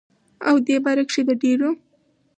او دې باره کښې دَ ډيرو